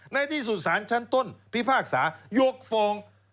ในที่สุดสารชั้นต้นพิพากษายกฟ้อง